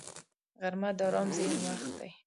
غرمه د آرام ذهن وخت دی